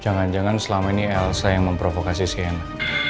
jangan jangan selama ini elsa yang memprovokasi cnn